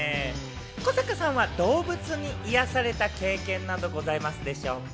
古坂さんは動物に癒やされた経験などございますでしょうか？